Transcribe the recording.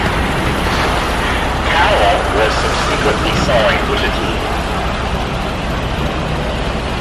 Carroll was subsequently signed with the team.